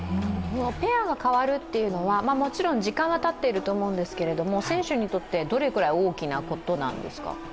ペアが変わるっていうのは、もちろん時間はたっていると思うんですけど選手にとってどれくらい大きなことなんですか？